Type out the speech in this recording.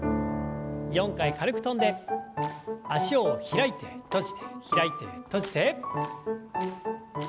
４回軽く跳んで脚を開いて閉じて開いて閉じて。